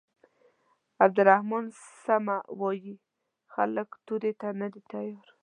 عبدالرحمن سمه وايي خلک تورې ته نه دي تيار.